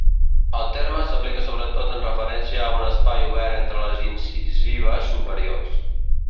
El terme s'aplica sobretot en referència a un espai obert entre les incisives superiors.